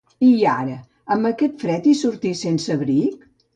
I ara!, amb aquest fred i sortir sense abric?